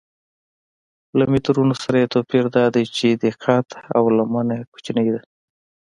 له مترونو سره یې توپیر دا دی چې دقت او لمنه یې کوچنۍ ده.